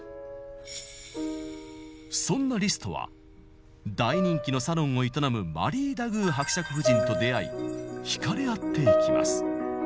そんなリストは大人気のサロンを営むマリー・ダグー伯爵夫人と出会い惹かれ合っていきます。